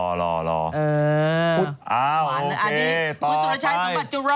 อ้าวโอเคต่อไปอันนี้พุทธสุรชายสมัครเจริญ